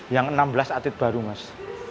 yang enam belas atlet baru mas